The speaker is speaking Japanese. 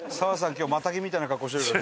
今日マタギみたいな格好してるから。